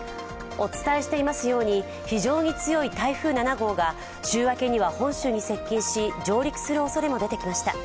お伝えしていますように、非常に強い台風７号が週明けには本州に接近し上陸するおそれも出てきました。